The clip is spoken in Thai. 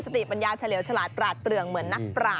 ติปัญญาเฉลี่ยวฉลาดปราดเปลืองเหมือนนักปราบ